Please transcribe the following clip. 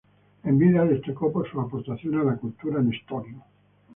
En vida destacó por sus aportaciones a la cultura en estonio.